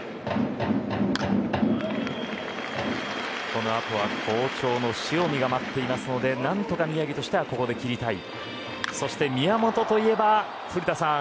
この後は好調の塩見が待っているのでなんとか宮城としてはここできりたいそして、宮本といえば古田さん